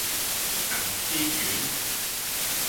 銀絲卷